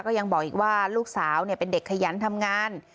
ก็ยังบอกอีกว่าลูกสาวเป็นเด็กขยันทำงาน